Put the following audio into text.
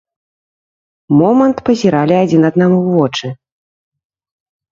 Момант пазіралі адзін аднаму ў вочы.